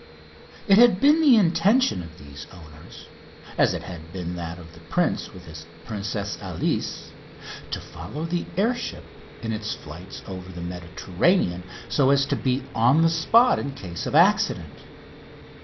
It had been the intention of these owners, as it had been that of the prince with his Princesse Alice, to follow the air ship in its flights over the Mediterranean, so as to be on the spot in case of accident.